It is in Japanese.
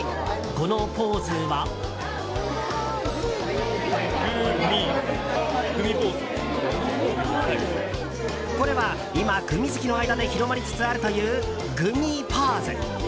このポーズは？これは今、グミ好きの間で広まりつつあるというグミポーズ。